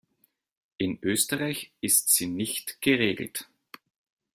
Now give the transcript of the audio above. In Österreich ist sie nicht geregelt.